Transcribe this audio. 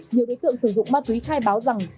nhiều đối tượng sử dụng ma túy khai báo rằng